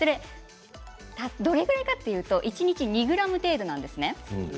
どれぐらいというと一日２ｇ程度なんです。